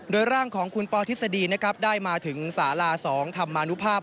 โดยร่างของคุณปอทฤษฎีนะครับได้มาถึงสารา๒ธรรมนุภาพ